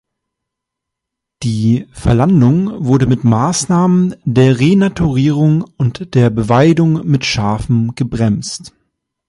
Die Verlandung wurde mit Maßnahmen der Renaturierung und der Beweidung mit Schafen gebremst.